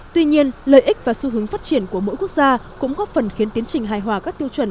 tuy nhiên lợi ích và xu hướng phát triển của mỗi quốc gia cũng góp phần khiến tiến trình hài hòa các tiêu chuẩn